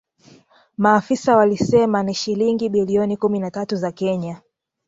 Maafisa walisema ni shilingi bilioni kumi na tatu za Kenya